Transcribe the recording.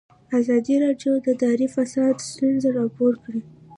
ازادي راډیو د اداري فساد ستونزې راپور کړي.